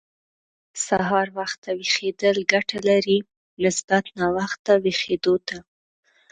سهار وخته ويښېدل ګټه لري، نسبت ناوخته ويښېدو ته.